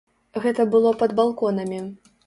Гэта было пад балконамі.